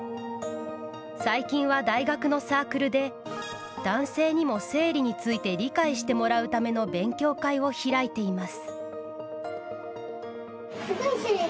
最近は大学のサークルで男性にも生理について理解してもらうための勉強会を開いています。